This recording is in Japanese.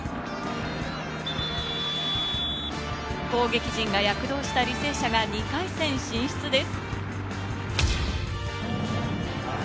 攻撃陣が躍動した履正社が２回戦進出です。